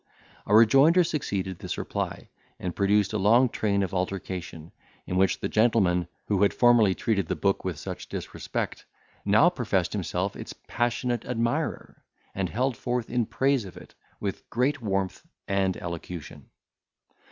A rejoinder succeeded this reply, and produced a long train of altercation, in which the gentleman, who had formerly treated the book with such disrespect, now professed himself its passionate admirer, and held forth in praise of it with great warmth and elocution.